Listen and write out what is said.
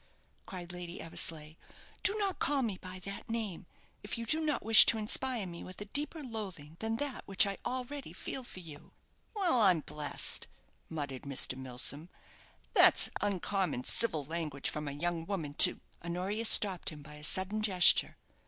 cried Lady Eversleigh. "Do not call me by that name, if you do not wish to inspire me with a deeper loathing than that which I already feel for you." "Well, I'm blest!" muttered Mr. Milsom; "that's uncommon civil language from a young woman to " Honoria stopped him by a sudden gesture.